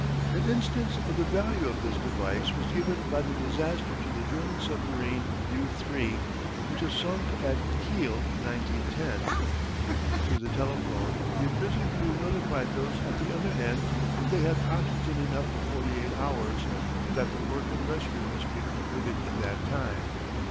An instance of the value of this device was given by the disaster to the German submarine "U 3" which was sunk at Kiel in 1910. Through the telephone the imprisoned crew notified those at the other end that they had oxygen enough for forty eight hours but that the work of rescue must be completed in that time.